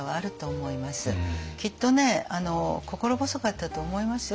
きっとね心細かったと思いますよ